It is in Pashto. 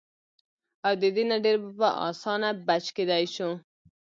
او د دې نه ډېر پۀ اسانه بچ کېدے شو -